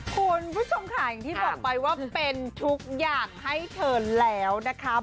คุณผู้ชมค่ะอย่างที่บอกไปว่าเป็นทุกอย่างให้เธอแล้วนะคะ